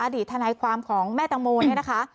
อดีตทนายความของแม่ตังโมนะคะ